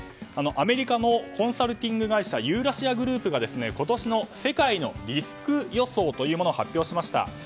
アメリカのコンサルティング会社ユーラシア・グループが今年の世界のリスク予想を発表しました。